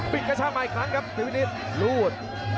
ปิดกระชั่งมาอีกครั้งครับเพชรวินิสต์รูด